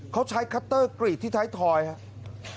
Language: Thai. เค้าใช้คัตเตอร์กรีดที่ไทยทอยฮะ